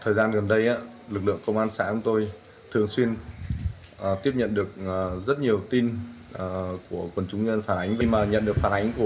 thời gian gần đây lực lượng công an xã nh challenge tôi thường xuyên tiếp nhận nhiều tin phản ánh của quần chúng dân phản ánh bằng rất nhiều biện pháp nghiệp vụ